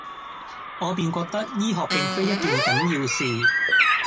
我便覺得醫學並非一件緊要事，